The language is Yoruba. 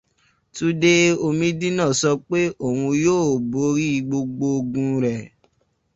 Túndé Omídínà sọ pé òun yóò borí gbogbo ogun rẹ̀